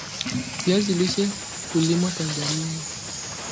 Viazi lishe hulimwa Tanzania